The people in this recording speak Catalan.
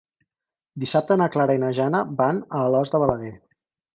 Dissabte na Clara i na Jana van a Alòs de Balaguer.